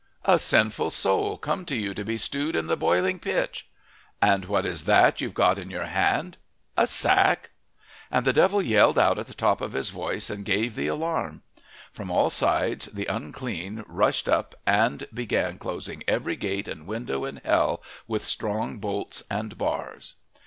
"A sinful soul come to you to be stewed in the boiling pitch." "And what is that you've got in your hand?" "A sack." And the devil yelled out at the top of his voice and gave the alarm. From all sides the unclean rushed up and began closing every gate and window in hell with strong bolts and bars.